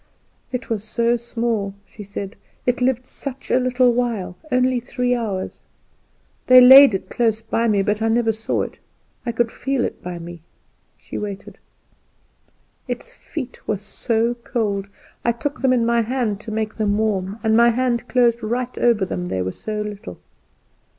"It was so small," she said; "it lived such a little while only three hours. They laid it close by me, but I never saw it; I could feel it by me." She waited; "its feet were so cold; I took them in my hand to make them warm, and my hand closed right over them they were so little."